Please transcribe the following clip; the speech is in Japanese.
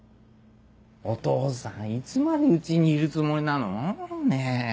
お義父さんいつまでうちにいるつもりなの？ねぇ？